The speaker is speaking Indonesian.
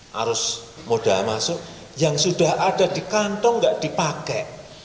harus modal masuk yang sudah ada di kantong tidak dipakai